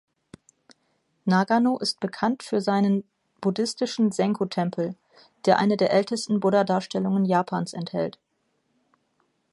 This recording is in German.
Nagano ist bekannt für seinen buddhistischen Zenko-Tempel, der eine der ältesten Buddha-Darstellungen Japans enthält.